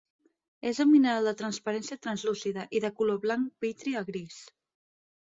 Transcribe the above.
És un mineral de transparència translúcida, i de color blanc vitri a gris.